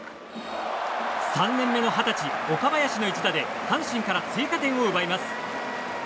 ３年目の二十歳、岡林の一打で阪神から追加点を奪います。